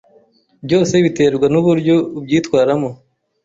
Byose biterwa nuburyo ubyitwaramo.